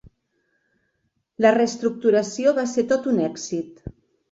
La reestructuració va ser tot un èxit.